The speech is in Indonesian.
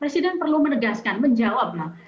presiden perlu menegaskan menjawab